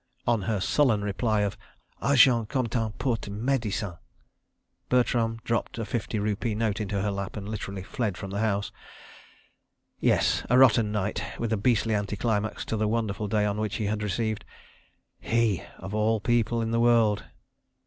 On her sullen reply of "Argent comptant porte médecine," Bertram dropped a fifty rupee note into her lap and literally fled from the house. ...... Yes—a rotten night with a beastly anti climax to the wonderful day on which he had received ... he, of all people in the world! ...